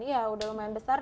iya udah lumayan besar